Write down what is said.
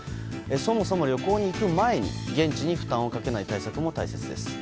そもそも旅行に行く前に現地に負担をかけない対策も大切です。